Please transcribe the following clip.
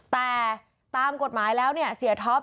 แต่ตามกฎหมายแล้วเนี่ยเสียท็อป